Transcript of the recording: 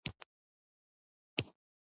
وسمهال په پښتو ژبه کې و حال ته ويل کيږي